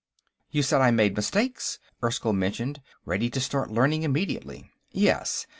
"You said I made mistakes," Erskyll mentioned, ready to start learning immediately. "Yes.